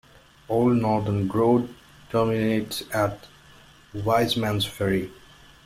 Old Northern Road terminates at Wiseman's Ferry.